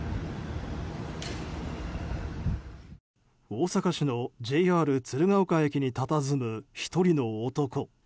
大阪市のＪＲ鶴ケ丘駅にたたずむ１人の男。